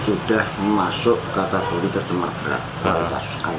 sudah masuk kategori tercemar berat